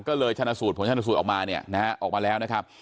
ก็เลยชนะสูตรผลชนสูตรออกมาเนี่ยนะฮะออกมาแล้วนะครับ